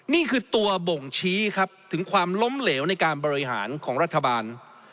นี่คือตัวบ่งชี้ครับถึงความล้มเหลวในการบริหารของรัฐบาล